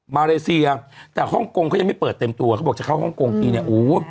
มาเลเซียแต่ฮ่องกงเขายังไม่เปิดเต็มตัวเขาบอกจะเข้าฮ่องกงทีเนี่ยโอ้